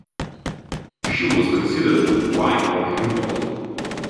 She was considered the wife of Hubal.